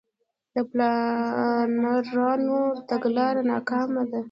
د پلانرانو تګلاره ناکامه ده.